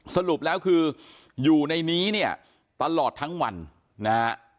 สรุปแล้วคืออยู่ในนี้เนี่ยตลอดทั้งวันนะฮะ